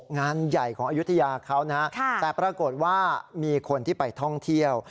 งานใหญ่ของอายุทยาเขานะแต่ปรากฏว่ามีคนที่ไปท่องเที่ยว